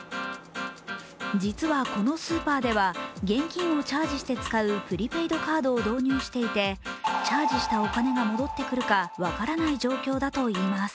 実はこのスーパーでは現金をチャージして使うプリペイドカードを導入していてチャージしたお金が戻ってくるか分からない状況だといいます。